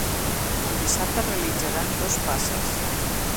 El dissabte es realitzaran dos passes.